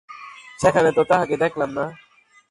সেখানে তো তাঁহাকে দেখিলাম না।